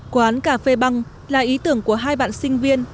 quán cà phê băng là ý tưởng của hai bạn sinh viên